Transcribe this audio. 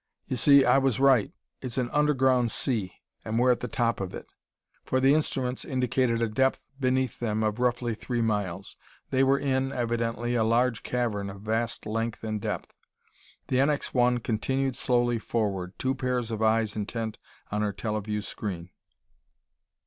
"You see, I was right! It's an underground sea and we're at the top of it." For the instruments indicated a depth beneath them of roughly three miles. They were in, evidently, a large cavern, of vast length and depth. The NX 1 continued slowly forward, two pairs of eyes intent on her teleview screen.